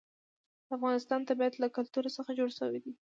د افغانستان طبیعت له کلتور څخه جوړ شوی دی.